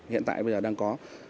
hiện tại bây giờ đang có